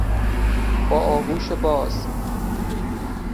با آغوش باز